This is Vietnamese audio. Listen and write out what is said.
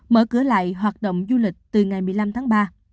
mở cửa lại hoạt động du lịch từ ngày một mươi năm tháng ba